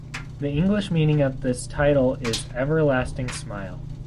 The English meaning of this title is "Everlasting Smile".